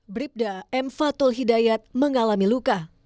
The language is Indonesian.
bribda m fatul hidayat mengalami luka